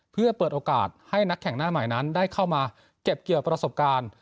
เพื่อเปิดโอกาสให้นักแข่งหน้าใหม่นั้นได้เข้ามาเก็บเกี่ยวประสบการณ์